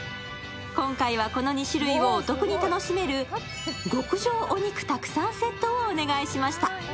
今回はこの２種類をお得に楽しめる極上お肉たくさんセットをお願いしました。